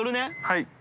はい。